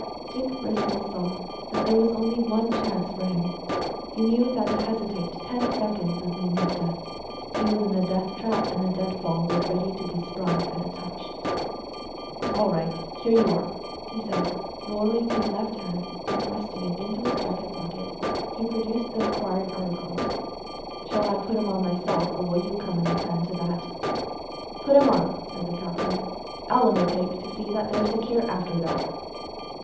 Dick Bristol saw that there was only one chance for him. He knew that to hesitate ten seconds would mean his death. He was in a death trap, and the dead fall was ready to be sprung at a touch. "All right; here you are!" he said, lowering his left hand, and thrusting it into his jacket pocket, he produced the required article. "Shall I put 'em on myself, or will you come and attend to that?" "Put 'em on," said the captain. "I'll undertake to see that they are secure after that."